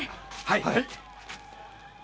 はい。